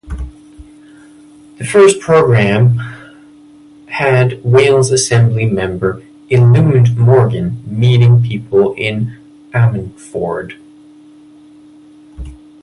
The first programme had Wales Assembly member Eluned Morgan meeting people in Ammanford.